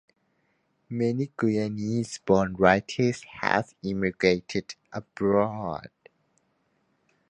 Many Guyanese-born writers have emigrated abroad.